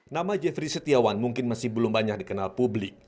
nama jeffrey setiawan mungkin masih belum banyak dikenal publik